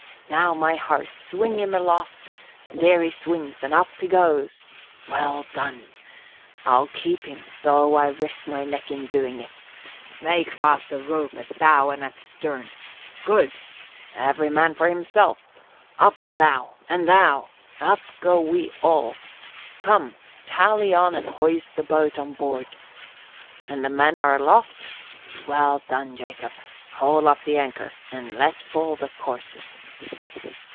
Now, my hearts, swing him aloft there he swings and up he goes! Well done! I'll keep him though I risk my neck in doing it. Make fast a rope at bow and at stern! Good! Every man for himself! Up, thou! And thou! Up go we all! Come, tally on and hoist the boat on board! And the men are aloft? Well done, Jacob! Haul up the anchor and let fall the courses!"